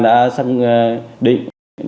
đã xác định